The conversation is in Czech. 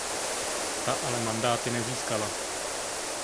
Ta ale mandáty nezískala.